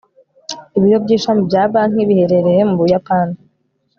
ibiro by'ishami bya banki biherereye mu buyapani